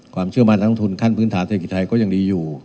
ความเชื่อมั่นนักลงทุนขั้นพื้นฐานเศรษฐกิจไทยก็ยังดีอยู่